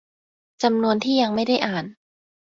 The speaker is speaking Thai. จำนวนที่ยังไม่ได้อ่าน